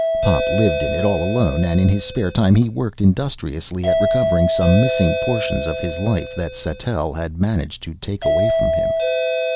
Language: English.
Pop lived in it all alone, and in his spare time he worked industriously at recovering some missing portions of his life that Sattell had managed to take away from him.